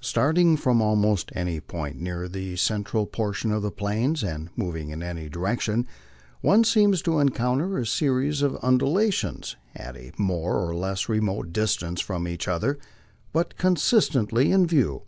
Starting from almost any point near the cen tral portion of the Plains, and moving in any direction, one seems to encounter a series of undulations at a more or less remote distance from each other, but constantly in view.